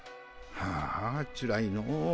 はあつらいの。